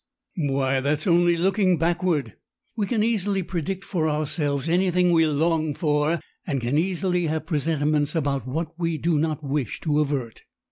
"Why, that's only looking backward. We can easily predict for ourselves anything we long for, and can easily have presentiments about what we do not wish to avert.